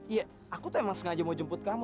iya aku tuh emang sengaja mau jemput kamu